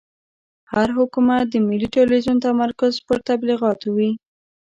هر حکومت د ملي تلویزون تمرکز پر تبلیغاتو وي.